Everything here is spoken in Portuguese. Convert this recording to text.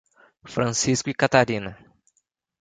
Francisco e Catarina